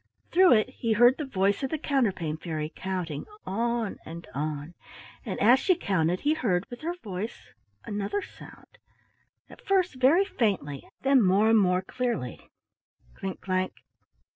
Through it he heard the voice of the Counterpane Fairy counting on and on, and as she counted he heard, with her voice, another sound, —at first very faintly, then more and more clearly: clink clank!